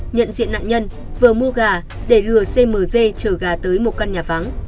nhận diện nạn nhân vừa mua gà để lừa cmc trở gà tới một căn nhà vắng